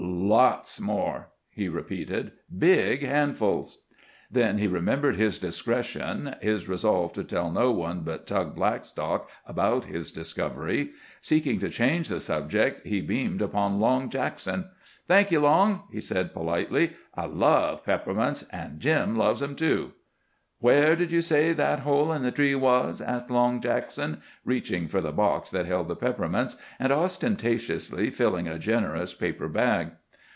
"Lots more!" he repeated. "Big handfuls." Then he remembered his discretion, his resolve to tell no one but Tug Blackstock about his discovery. Seeking to change the subject, he beamed upon Long Jackson. "Thank you, Long," he said politely. "I love peppermints. An' Jim loves them, too." "Where did you say that hole in the tree was?" asked Long Jackson, reaching for the box that held the peppermints, and ostentatiously filling a generous paper bag.